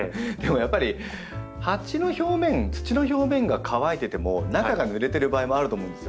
やっぱり鉢の表面土の表面が乾いてても中がぬれてる場合もあると思うんですよ。